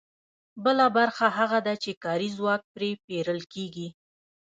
بله برخه هغه ده چې کاري ځواک پرې پېرل کېږي